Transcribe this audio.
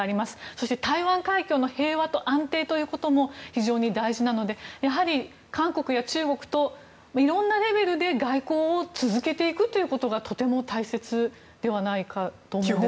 そして台湾海峡の平和と安定ということも非常に大事なのでやはり韓国や中国といろんなレベルで外交を続けていくことがとても大切ではないかと思うんですが。